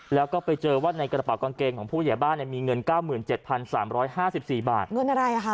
แล้วก็ไปเจอว่าในกระเป๋ากางเกงของผู้ใหญ่บ้านมีเงิน๙๗๓๕๔บาทเงินอะไรอ่ะค่ะ